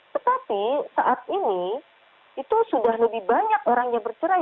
tetapi saat ini itu sudah lebih banyak orang yang bercerai